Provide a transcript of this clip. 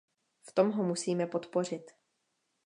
V tom ho musíme podpořit.